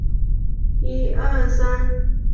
宽叶杜香为杜鹃花科杜香属下的一个变种。